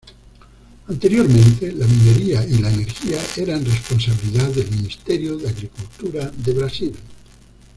Anteriormente, la minería y la energía eran responsabilidad del Ministerio de Agricultura de Brasil.